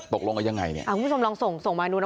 ภาพถึงมันยังไงเนี้ยพี่ผู้ชมลองส่งส่งมาดูแล้ว